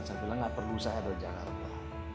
saya bilang nggak perlu saya dari jakarta